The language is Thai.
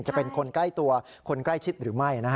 จะเป็นคนใกล้ตัวคนใกล้ชิดหรือไม่